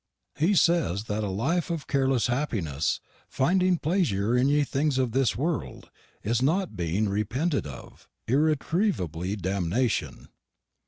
He says, that a life of cairlesse happyness, finding plesure in ye things of this worlde, is not being repentied of irretrevable damnation.